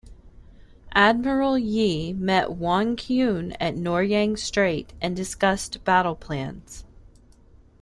Admiral Yi met Won Kyun at Noryang Strait and discussed battle plans.